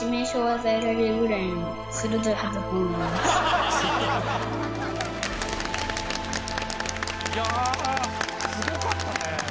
いやすごかったね！